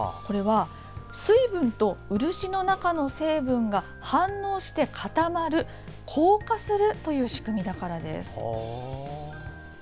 水分と漆の中の成分が反応して固まる硬化するという仕組みだからです。